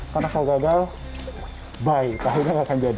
karena kalau gagal bye takutnya nggak akan jadi